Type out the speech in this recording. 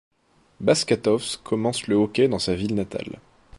Baškatovs commence le hockey dans sa ville natale.